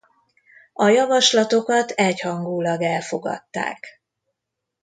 A javaslatokat egyhangúlag elfogadták.